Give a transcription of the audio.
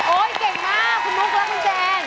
โอ้ยเก่งมากคุณมุกและคุณเจน